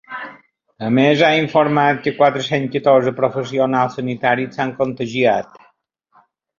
A més, ha informat que quatre-cents catorze professionals sanitaris s’han contagiat.